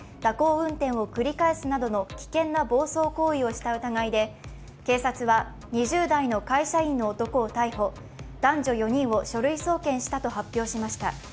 運転を繰り返すなどの危険な暴走行為をした疑いで、警察は２０代の会社員の男を逮捕、男女４人を書類送検したと発表しました。